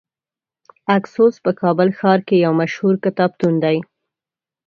اکسوس په کابل ښار کې یو مشهور کتابتون دی .